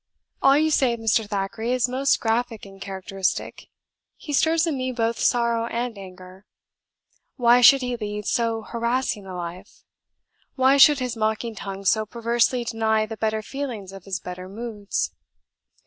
"All you say of Mr. Thackeray is most graphic and characteristic. He stirs in me both sorrow and anger. Why should he lead so harassing a life? Why should his mocking tongue so perversely deny the better feelings of his better moods?"